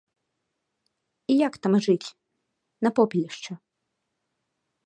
І як там жыць на попелішчы?